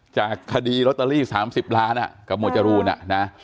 จากคดีโรตเตอรี่๓๐ล้านอ่ะกับมัวจรูน่ะนะ